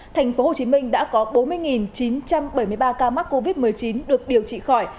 thành phố hồ chí minh đã có bốn mươi chín trăm bảy mươi ba ca mắc covid một mươi chín được điều trị khỏi